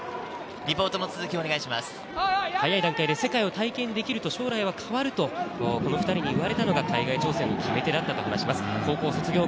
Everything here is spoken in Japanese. リポートの続きをお願いし早い段階で、世界を体験できると将来は変わると、２人に言われたのが海外挑戦の決め手だったと話します。